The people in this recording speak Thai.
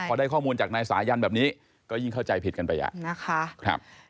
พอได้ข้อมูลจากนายสายันแบบนี้ก็ยิ่งเข้าใจผิดกันไปอ่ะนะคะ